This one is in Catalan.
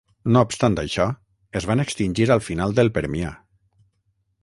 No obstant això, es van extingir al final del Permià.